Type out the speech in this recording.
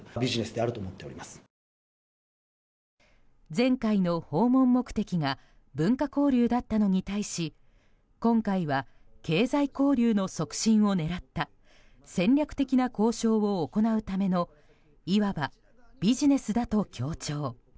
前回の訪問目的が文化交流だったのに対し今回は経済交流の促進を狙った戦略的な交渉を行うためのいわばビジネスだと強調。